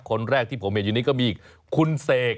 คนแรกที่ผมเห็นอยู่นี้ก็มีคุณเสก